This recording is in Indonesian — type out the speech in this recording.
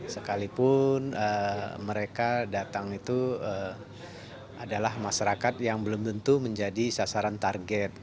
sekalipun mereka datang itu adalah masyarakat yang belum tentu menjadi sasaran target